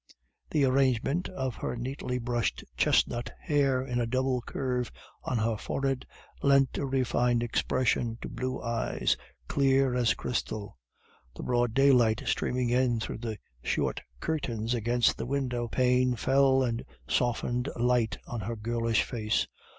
The arrangement of her neatly brushed chestnut hair in a double curve on her forehead lent a refined expression to blue eyes, clear as crystal. The broad daylight streaming in through the short curtains against the window pane fell with softened light on her girlish face.